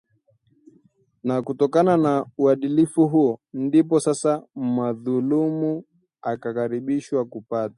Ni kutokana na uadilifu huo ndipo sasa madhulumu akabashiriwa kupata